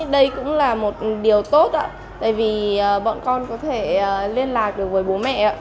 đây cũng là một điều tốt ạ tại vì bọn con có thể liên lạc được với bố mẹ ạ